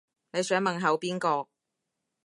你想問候邊個